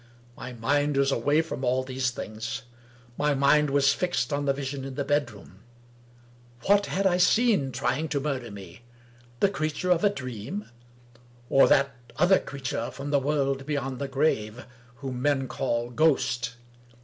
My mind was away from all these things. My mind was fixed on the vision in the bedroom. What had I seen trying to murder me ? The creature of a dream ? Or that other creature from the world beyond the grave, whom men call ghost?